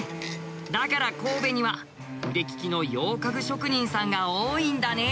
だから神戸には腕利きの洋家具職人さんが多いんだね。